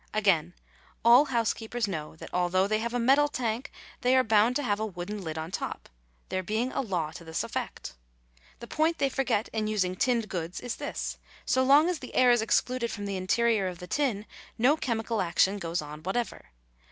Again, all housekeepers know that although they have a metal tank, they are bound to have a wooden lid on top, there being a law to this effect. The point they forget in using tinned goods is this, so long as the air is excluded from the interior of the tin no chemical action goes on whatever.